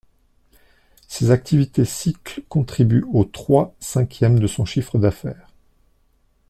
Ses activités cycles contribuent aux trois cinquièmes de son chiffre d’affaires.